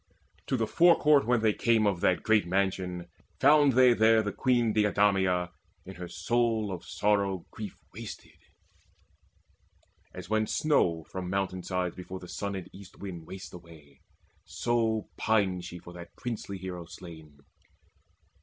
To the forecourt when they came Of that great mansion, found they there the Queen Deidameia in her sorrow of soul Grief wasted, as when snow from mountain sides Before the sun and east wind wastes away; So pined she for that princely hero slain.